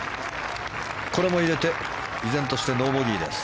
これも入れて依然としてノーボギーです。